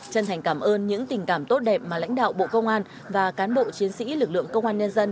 chân thành cảm ơn những tình cảm tốt đẹp mà lãnh đạo bộ công an và cán bộ chiến sĩ lực lượng công an nhân dân